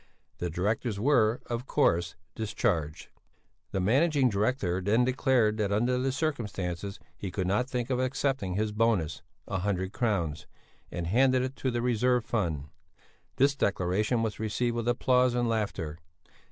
The directors were, of course, discharged. The Managing Director then declared that under the circumstances he could not think of accepting his bonus (a hundred crowns) and handed it to the reserve fund. This declaration was received with applause and laughter.